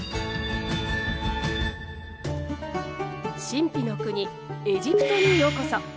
神秘の国エジプトにようこそ。